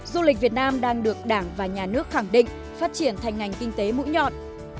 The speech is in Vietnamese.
du lịch việt nam đang được đảng và nhà nước khẳng định phát triển thành ngành kinh tế mũi nhọn